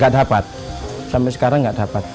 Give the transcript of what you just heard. tidak dapat sampai sekarang tidak dapat